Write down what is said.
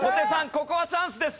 ここはチャンスです。